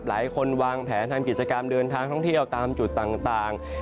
หลายคนวางแผนทำกิจกรรมเดินทางท่องเที่ยวตามจุดต่าง